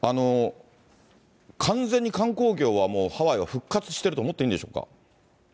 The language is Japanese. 完全に観光業は、ハワイは復活していると思っていいんでしょうか。